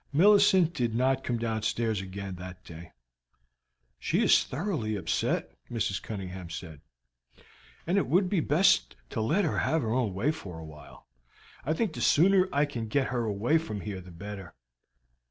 Millicent did not come downstairs again that day. "She is thoroughly upset," Mrs. Cunningham said, "and it would be best to let her have her own way for a time. I think the sooner I can get her away from here the better.